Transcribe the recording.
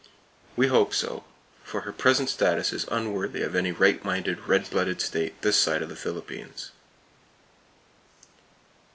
We hope so, for her present status is unworthy of any right minded, red blooded state this side of the Philippines.